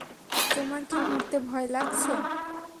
তোমার কি মরতে ভয় লাগছে?